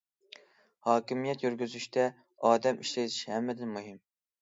ھاكىمىيەت يۈرگۈزۈشتە ئادەم ئىشلىتىش ھەممىدىن مۇھىم.